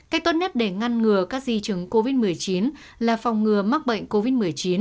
cách tốt nhất để ngăn ngừa các di chứng covid một mươi chín là phòng ngừa mắc bệnh covid một mươi chín